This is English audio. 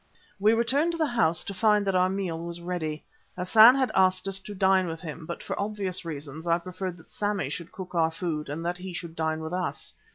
We returned to the house to find that our meal was ready. Hassan had asked us to dine with him, but for obvious reasons I preferred that Sammy should cook our food and that he should dine with us.